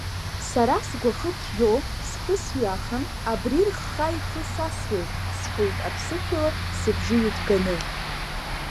Сара сгәахы ԥжәо, схы сҩахан, абри рхха ихы сасуеит сҳәеит аԥсышәала сыбжьы ҩыҭганы.